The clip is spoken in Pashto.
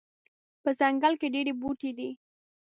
په ځنګل کې ډیر بوټي دي